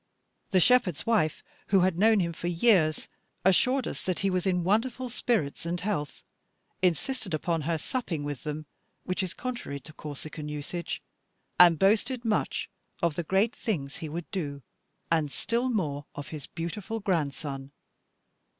The shepherd's wife, who had known him for years, assured us that he was in wonderful spirits and health, insisted upon her supping with them which is contrary to Corsican usage and boasted much of the great things he would do, and still more of his beautiful grandson.